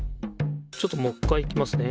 ちょっともう一回いきますね。